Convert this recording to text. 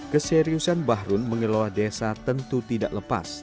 keseriusan bahrun mengelola desa tentu tidak lepas